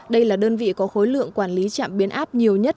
đây là đơn vị có khối lượng quản lý chạm biến áp nhiều nhất